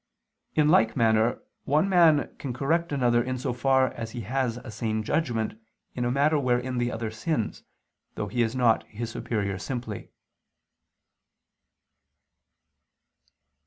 In like manner one man can correct another in so far as he has a sane judgment in a matter wherein the other sins, though he is not his superior simply.